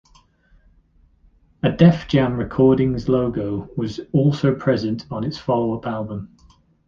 A Def Jam Recordings logo was also present on its follow-up album.